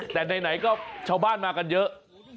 แต่ไหนก็ชาวบ้านมากันเยอะ